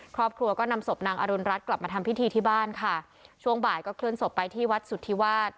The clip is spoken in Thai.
ครอบครัวก็นำศพนางอรุณรัฐกลับมาทำพิธีที่บ้านค่ะช่วงบ่ายก็เคลื่อนศพไปที่วัดสุธิวาส